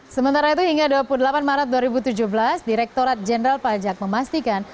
sementara itu hingga dua puluh delapan maret dua ribu tujuh belas direkturat jenderal pajak memastikan